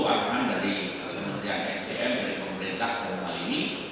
akan dari kementerian sdm dari pemerintah dan malini